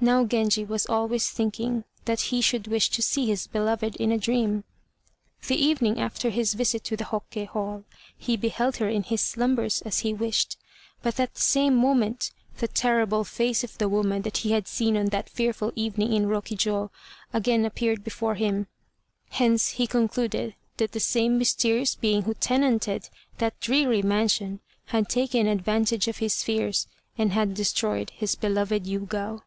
Now Genji was always thinking that he should wish to see his beloved in a dream. The evening after his visit to the Hokke Hall, he beheld her in his slumbers, as he wished, but at the same moment the terrible face of the woman that he had seen on that fearful evening in Rokjiô again appeared before him; hence he concluded that the same mysterious being who tenanted that dreary mansion had taken advantage of his fears and had destroyed his beloved Yûgao.